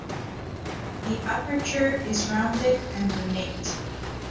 The aperture is rounded and lunate.